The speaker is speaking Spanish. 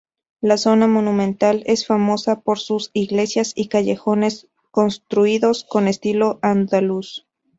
La zona monumental es famosa por sus iglesias y callejones construidos con estilo andaluz.